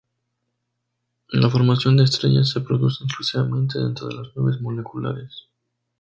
La formación de estrellas se produce exclusivamente dentro de las nubes moleculares.